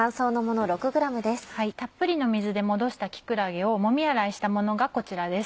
たっぷりの水で戻した木くらげをもみ洗いしたものがこちらです。